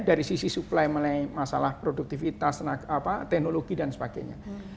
dari sisi supply mulai masalah produktivitas teknologi dan sebagainya